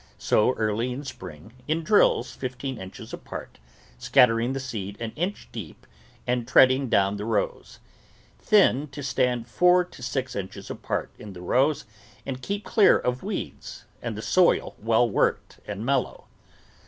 Sow early in spring in drills fifteen inches apart, scattering the seed an inch deep and treading down the rows. Thin to stand four to six inches apart in the rows and keep clear of weeds and the soil well worked and mellow.